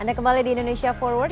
anda kembali di indonesia forward